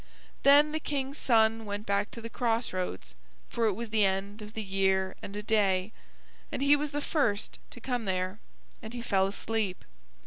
Then the King's son went back to the crossroads, for it was the end of the year and a day, and he was the first to come there, and he fell asleep.